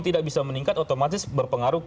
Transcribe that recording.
tidak bisa meningkat otomatis berpengaruh